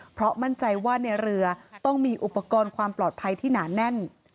เพราะมั่นใจว่าในเรือต้องมีอุปกรณ์ความปลอดภัยที่หนาแน่น